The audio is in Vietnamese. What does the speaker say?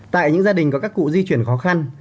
tại những gia đình có các cụ di chuyển khó khăn